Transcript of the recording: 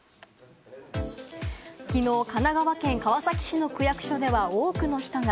きのう神奈川県川崎市の区役所では、多くの人が。